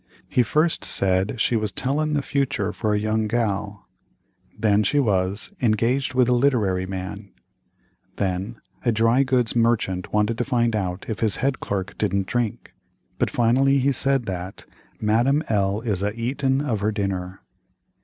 He first said she was "tellin' the futur for a young gal;" then she was "engaged with a literary man;" then "a dry goods merchant wanted to find out if his head clerk didn't drink;" but finally he said that "Madame L. is a eatin' of her dinner."